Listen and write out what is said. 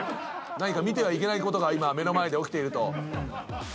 何か見てはいけないことが今目の前で起きていると。